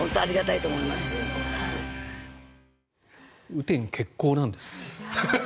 雨天決行なんですね。